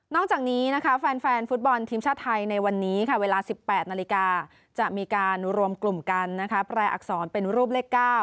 จากนี้นะคะแฟนฟุตบอลทีมชาติไทยในวันนี้ค่ะเวลา๑๘นาฬิกาจะมีการรวมกลุ่มกันนะคะแปลอักษรเป็นรูปเลข๙